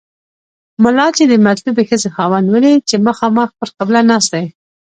ملا چې د مطلوبې ښځې خاوند ولید چې مخامخ پر قبله ناست دی.